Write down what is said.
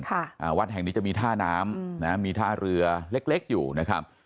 อ่าวัดแห่งนี้จะมีท่าน้ำอืมนะฮะมีท่าเรือเล็กเล็กอยู่นะครับ